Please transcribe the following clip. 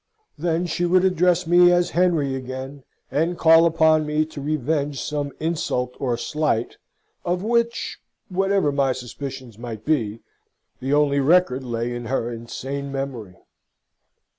Then she would address me as Henry again, and call upon me to revenge some insult or slight, of which (whatever my suspicions might be) the only record lay in her insane memory.